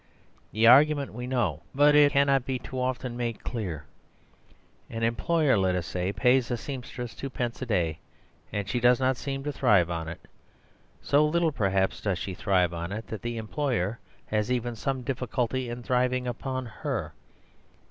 The argument we know; but it cannot be too often made clear. An employer, let us say, pays a seamstress twopence a day, and she does not seem to thrive on it. So little, perhaps, does she thrive on it that the employer has even some difficulty in thriving upon her.